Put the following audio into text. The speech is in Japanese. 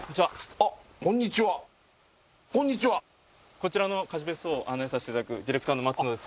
こちらの貸別荘を案内させていただくディレクターの松野です